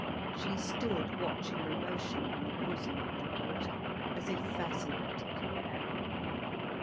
She stood watching the motion on the bosom of the water, as if fascinated.